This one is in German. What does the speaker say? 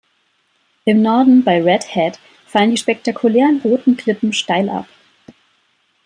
Im Norden, bei Red Head, fallen die spektakulären roten Klippen steil ab.